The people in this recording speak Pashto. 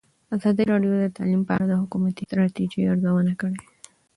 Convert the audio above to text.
ازادي راډیو د تعلیم په اړه د حکومتي ستراتیژۍ ارزونه کړې.